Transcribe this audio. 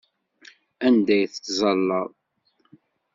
Anda ay tettẓallaḍ?